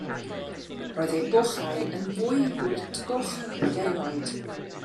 Roedd ei bochau yn fwy gwritgoch nag erioed.